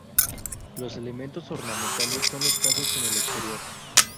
Los elementos ornamentales son escasos en el exterior.